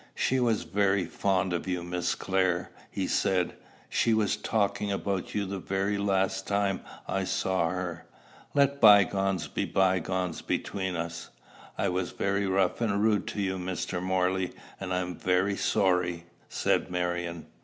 "She was very fond of you, Miss Clare," he said. "She was talking about you the very last time I saw her. Let by gones be by gones between us." "I was very rough and rude to you, Mr. Morley, and I am very sorry," said Marion.